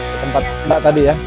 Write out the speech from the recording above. ke tempat mbak tadi ya